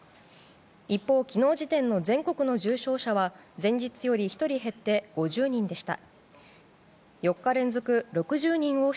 一方、昨日時点の全国の重症者は前日より１人減って５０人でした。